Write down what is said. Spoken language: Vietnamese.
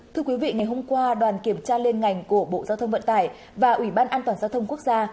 thưa quý vị ngày hôm qua đoàn kiểm tra liên ngành của bộ giao thông vận tải và ủy ban an toàn giao thông quốc gia